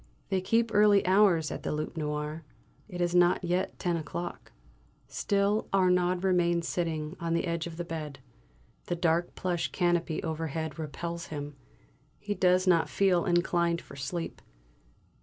They keep early hours at the "Loup Noir"; it is not yet ten o'clock. Still Arnaud remains sitting on the edge of the bed; the dark plush canopy overhead repels him, he does not feel inclined for sleep.